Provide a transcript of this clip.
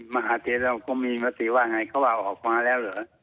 มหาเทศเราก็มีมติว่าไงเขาว่าออกมาแล้วเหรอ